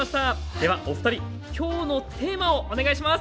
ではおふたりきょうのテーマをお願いします。